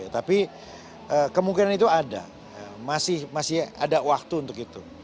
tapi kemungkinan itu ada masih ada waktu untuk itu